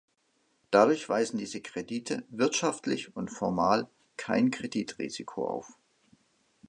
Dadurch weisen diese Kredite wirtschaftlich und formal kein Kreditrisiko auf.